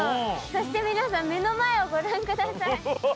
そして皆さん目の前をご覧ください。